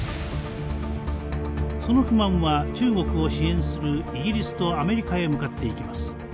その不満は中国を支援するイギリスとアメリカへ向かっていきます。